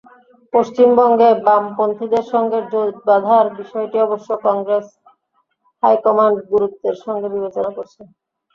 পশ্চিমবঙ্গে বামপন্থীদের সঙ্গে জোট বাঁধার বিষয়টি অবশ্য কংগ্রেস হাইকমান্ড গুরুত্বের সঙ্গে বিবেচনা করছে।